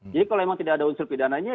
jadi kalau memang tidak ada unsur pidananya